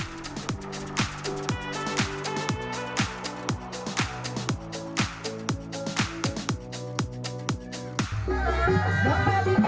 iya udah sampai ini